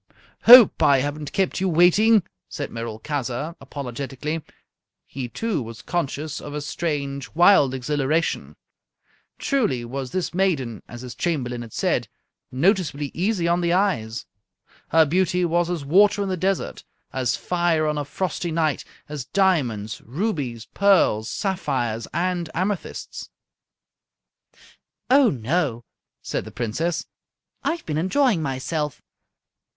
"Hope I haven't kept you waiting," said Merolchazzar, apologetically. He, too, was conscious of a strange, wild exhilaration. Truly was this maiden, as his Chamberlain had said, noticeably easy on the eyes. Her beauty was as water in the desert, as fire on a frosty night, as diamonds, rubies, pearls, sapphires, and amethysts. "Oh, no!" said the princess, "I've been enjoying myself.